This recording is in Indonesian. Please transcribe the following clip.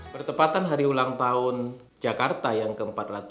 pertepatan hari ulang tahun jakarta yang ke empat ratus sembilan puluh enam